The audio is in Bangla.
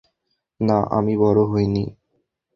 না, আমি বড় হইনি।